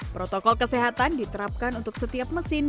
protokol kesehatan diterapkan untuk setiap mesin